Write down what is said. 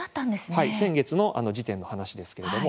先月の時点の話ですけれども。